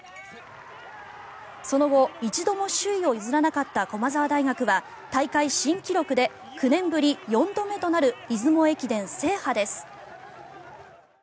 その後一度も首位を譲らなかった駒澤大学は大会新記録で９年ぶり４度目となる出雲駅伝制覇です。